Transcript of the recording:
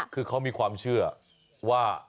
คือเขามีความเชื่อว่า